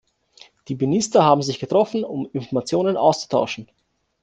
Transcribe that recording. Die Minister haben sich getroffen, um Informationen auszutauschen.